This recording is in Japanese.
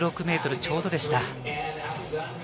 １０６ｍちょうどでした。